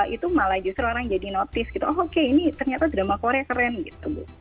itu malah justru orang jadi notice gitu oh oke ini ternyata drama korea keren gitu bu